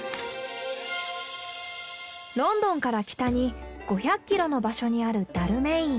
ロンドンから北に５００キロの場所にあるダルメイン。